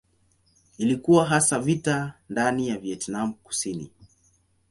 Ilikuwa hasa vita ndani ya Vietnam Kusini.